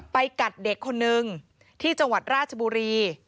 กัดเด็กคนนึงที่จังหวัดราชบุรี